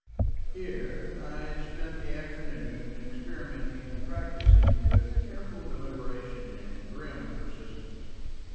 Here I had spent the afternoon, experimenting and practising with careful deliberation and grim persistence.